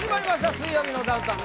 「水曜日のダウンタウン」